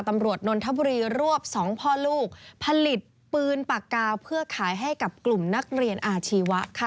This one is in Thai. นนทบุรีรวบสองพ่อลูกผลิตปืนปากกาวเพื่อขายให้กับกลุ่มนักเรียนอาชีวะค่ะ